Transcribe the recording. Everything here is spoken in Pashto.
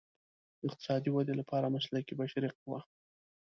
د اقتصادي ودې لپاره مسلکي بشري قوه.